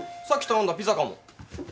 さっき頼んだピザかも。